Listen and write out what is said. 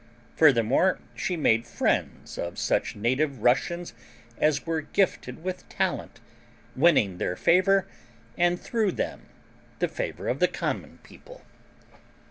Furthermore, she made friends of such native Russians as were gifted with talent, winning their favor, and, through them, the favor of the common people.